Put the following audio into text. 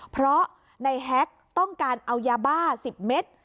เพราะในแฮ็กต้องการเอายาบ้า๑๐เมตร